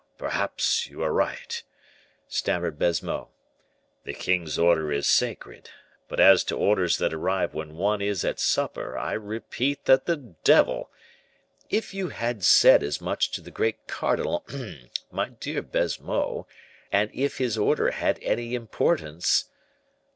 perhaps you are right," stammered Baisemeaux. "The king's order is sacred; but as to orders that arrive when one is at supper, I repeat that the devil " "If you had said as much to the great cardinal hem! my dear Baisemeaux, and if his order had any importance."